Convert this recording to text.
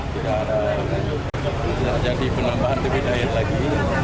tidak jadi penambahan tewin air lagi